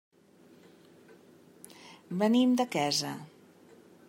Venim de Quesa.